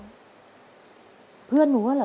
ขอบคุณครับ